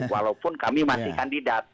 walaupun kami masih kandidat